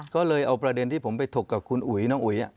ก็เลยเอาประเด็นที่ผมไปถกกับคุณอุ๋ยน้องอุ๋ย